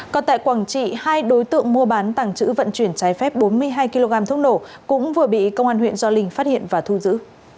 còn tại quảng trị hai đối tượng mua bán tàng trữ vận chuyển trái phép bốn mươi hai kg thuốc nổ cũng vừa bị công an huyện gio linh phát hiện và thu giữ